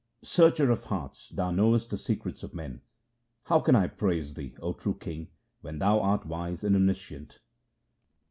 Searcher of hearts, thou knowest the secrets of men. How can I praise thee, O true king, when thou art wise and omniscient